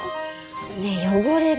ねえ汚れる。